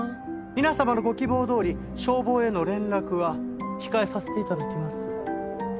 皆様のご希望どおり消防への連絡は控えさせて頂きます。